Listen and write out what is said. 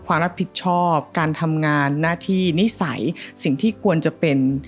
ความรับผิดชอบการทำงานหน้าที่นิสัยสิ่งที่ควรจะเป็น